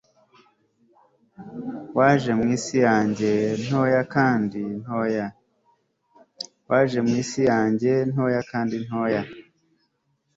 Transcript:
waje mwisi yanjye, ntoya kandi ntoya ..